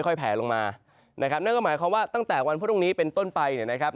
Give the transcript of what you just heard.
แผลลงมานะครับนั่นก็หมายความว่าตั้งแต่วันพรุ่งนี้เป็นต้นไปเนี่ยนะครับ